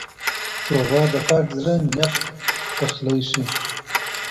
ښوروا د پاک زړه نیت پخلی ښيي.